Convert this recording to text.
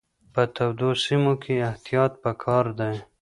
په تودو سیمو کې احتیاط پکار دی.